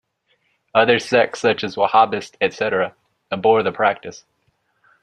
Other sects, such as Wahhabists etc., abhor the practice.